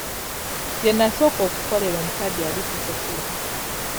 Gye nnasooka okukolera omusajja yali tasasula.